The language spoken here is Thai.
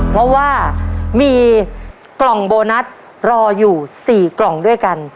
เพราะว่ามีกล่องโบนัสรออยู่๔กล่องด้วยกัน